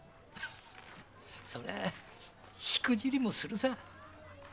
そりゃしくじりもするさ。